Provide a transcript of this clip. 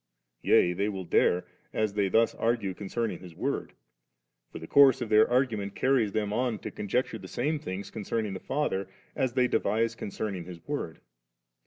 Yea, they will dare, as they thus argue concerning His Word ; for the course of their argument carries them on to conjecture the same things concerning the Father, as they devise concerning His Word.